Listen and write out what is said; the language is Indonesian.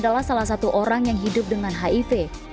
adalah salah satu orang yang hidup dengan hiv